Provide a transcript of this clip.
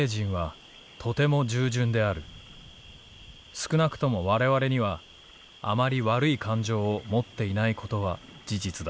「少なくとも我々にはあまり悪い感情を持っていないことは事実だ」。